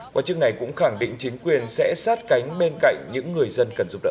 quả chức này cũng khẳng định chính quyền sẽ sát cánh bên cạnh những người dân cần giúp đỡ